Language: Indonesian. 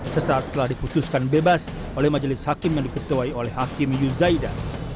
sesaat setelah diputuskan bebas oleh majelis hakim yang diketuai oleh hakim yuzaida